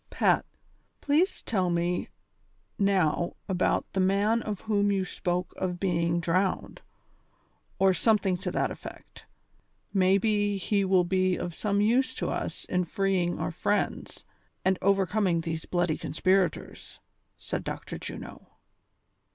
iJAT, please tell me now about the man of whom you spoke of being drowned, or something to that effect ; may be he will be of some use to us in freeing our friends, and oveicoming these bloody conspirators," said Dr. Juno.